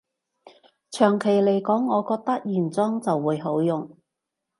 長期來講，我覺得原裝就會好用